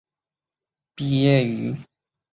毕业于山东师范大学中文专业。